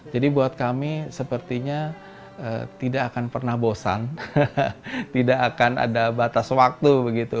jadi buat kami sepertinya tidak akan pernah bosan tidak akan ada batas waktu